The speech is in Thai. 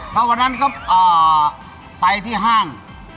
เท่ากันก็ไปที่ห้าง